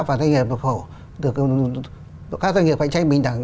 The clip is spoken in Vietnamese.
và các doanh nghiệp cạnh tranh bình đẳng